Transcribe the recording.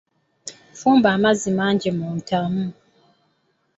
Fumba amazzi mangi mu ntamu.